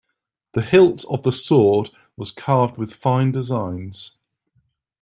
The hilt of the sword was carved with fine designs.